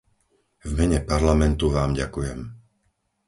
V mene Parlamentu Vám ďakujem.